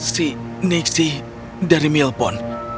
si niksi dari milpon